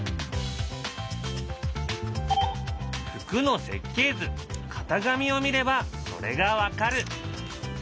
服の設計図型紙を見ればそれが分かる。